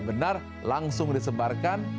yang benar langsung disebarkan